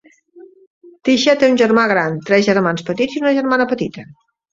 Tisha té un germà gran, tres germans petits i una germana petita.